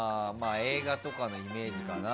映画とかのイメージかな？